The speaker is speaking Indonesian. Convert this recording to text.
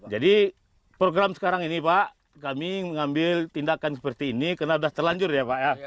jadi program sekarang ini pak kami mengambil tindakan seperti ini karena sudah terlanjur ya pak ya